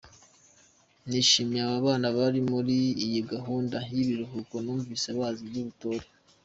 Nishimiye aba bana bari muri iyi gahunda y’ibiruhuko , numvise bazi iby’ubutore.